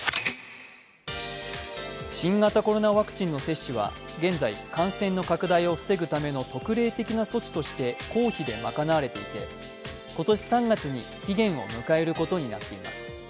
新型コロナワクチンの接種は現在感染の拡大を防ぐための特例的な措置として公費で賄われていて今年３月に期限を迎えることになっています。